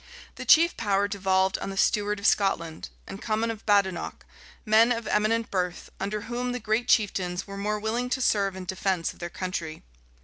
The chief power devolved on the steward of Scotland, and Cummin of Badenoch; men of eminent birth, under whom the great chieftains were more willing to serve in defence of their country.